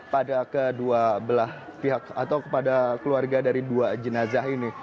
pada kedua belah pihak atau kepada keluarga dari dua jenazah ini